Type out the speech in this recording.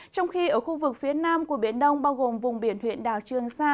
trong khi ở khu vực phía nam của biển đông bao gồm vùng biển huyện đảo trương sa